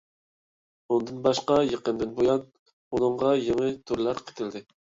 ئۇندىن باشقا يېقىندىن بۇيان ئۇنىڭغا يېڭى تۈرلەر قېتىلدى.